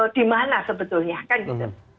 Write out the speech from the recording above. dimana sebetulnya kan gitu